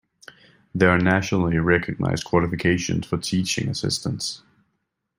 There are nationally recognised qualifications for teaching assistants.